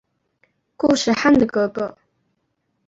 固始汗的哥哥。